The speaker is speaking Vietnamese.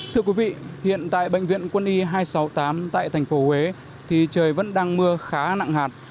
thưa quý vị hiện tại bệnh viện quân y hai trăm sáu mươi tám tp huế trời vẫn đang mưa khá nặng hạt